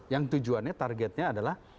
yang tujuannya targetnya adalah